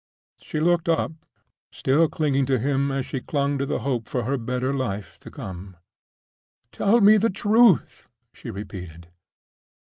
She looked up, still clinging to him as she clung to the hope of her better life to come. "Tell me the truth!" she repeated.